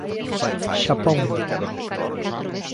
Xapón.